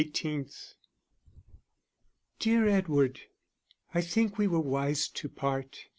_ _Dear Edward, I think we were wise to part.